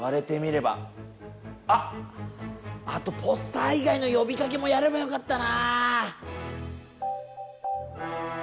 あっあとポスター以外の呼びかけもやればよかったな。